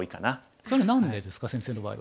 それは何でですか先生の場合は。